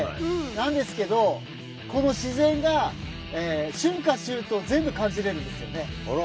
なんですけどこの自然が春夏秋冬全部感じれるんですよね。